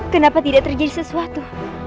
kenapa tidak terjadi sesuatu